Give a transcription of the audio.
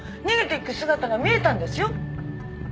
逃げていく姿が見えたんですよ。